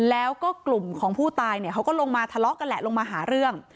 แล้วก็กลุ่มของผู้ตายเนี่ยเขาก็ลงมาทะเลาะกันแหละลงมาหาเรื่อง